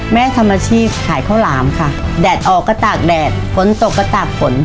แม่ทำอาชีพขายข้าวหลามค่ะแดดออกก็ตากแดดฝนตกก็ตากฝน